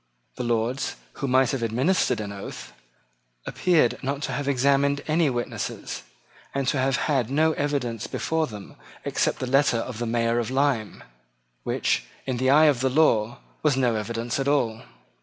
The Lords, who might have administered an oath, appeared not to have examined any witness, and to have had no evidence before them except the letter of the Mayor of Lyme, which, in the eye of the law, was no evidence at all.